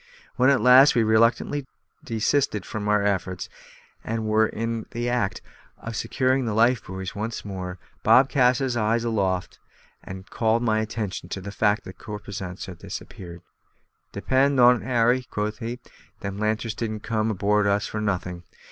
When at last we reluctantly desisted from our efforts, and were in the act of securing the lifebuoys once more, Bob cast his eyes aloft, and called my attention to the fact that the corposants had disappeared. "Depend on't, Harry," quoth he, "them lanterns didn't come aboard of us for nothing.